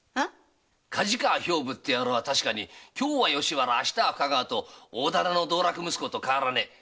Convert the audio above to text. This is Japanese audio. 梶川兵部は確かに「今日は吉原明日は深川」と大店の道楽息子と変わらねえ。